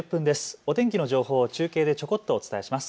お天気の情報を中継でちょこっとお伝えします。